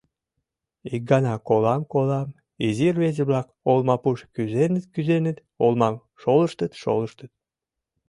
Ик гана колам-колам: изи рвезе-влак олмапуш кӱзеныт-кӱзеныт, олмам шолыштыт-шолыштыт.